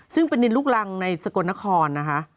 ซึ่งเป็นดินลูกรังในสกลนครนะคะ